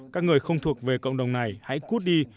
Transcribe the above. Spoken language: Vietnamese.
các người không thuộc về cộng đồng này hãy cút đi